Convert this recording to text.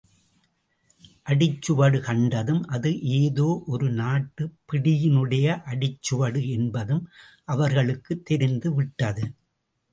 அடிச்சுவடு கண்டதும் அது ஏதோ ஒரு நாட்டுப் பிடியினுடைய அடிச்சுவடு என்பதும் அவர்களுக்குத் தெரிந்து விட்டது.